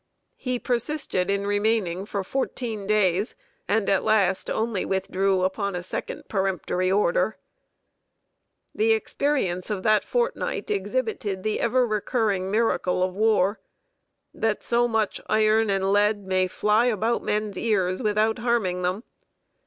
He persisted in remaining for fourteen days, and at last only withdrew upon a second peremptory order. The experience of that fortnight exhibited the ever recurring miracle of war that so much iron and lead may fly about men's ears without harming them.